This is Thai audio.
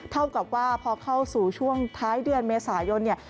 เท่ากับว่าพอเข้าสู่ช่วงท้ายเดือนเมษายนเนี่ย